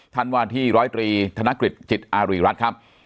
ท่านวาธี๑๐๓ธนกฤทธิ์จิตอาริรัติครับ